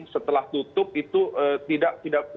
setelah tutup itu tidak